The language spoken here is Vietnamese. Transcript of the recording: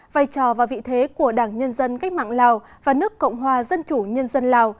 vai trò và vị thế của đảng nhân dân cách mạng lào và nước cộng hòa dân chủ nhân dân lào